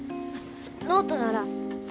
ノートなら紗